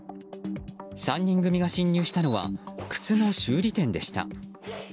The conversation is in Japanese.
３人組が侵入したのは靴の修理店でした。